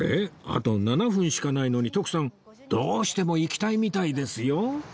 あと７分しかないのに徳さんどうしても行きたいみたいですよ